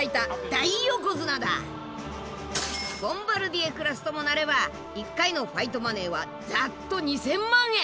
ボンバルディエクラスともなれば１回のファイトマネーはざっと２，０００万円！